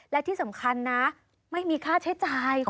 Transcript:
และที่สำคัญนะไม่มีค่าใช้จ่าย